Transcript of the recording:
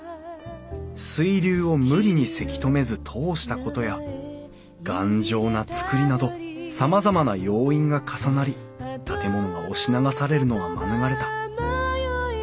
水流を無理にせき止めず通したことや頑丈な造りなどさまざまな要因が重なり建物が押し流されるのは免れた。